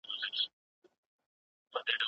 دا کتاب د ادب تاریخ پیاوړی کوي.